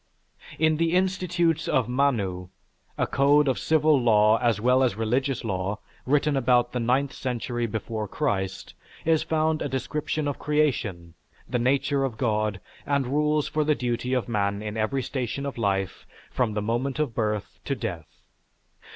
In the Institutes of Manu, a code of civil law as well as religious law, written about the ninth century before Christ, is found a description of creation, the nature of God, and rules for the duty of man in every station of life from the moment of birth to death.